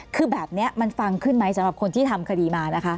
คือแบบนี้มันฟังขึ้นไหมสำหรับคนที่ทำคดีมานะคะ